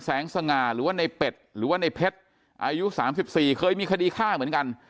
สง่าหรือว่าในเป็ดหรือว่าในเพชรอายุ๓๔เคยมีคดีฆ่าเหมือนกัน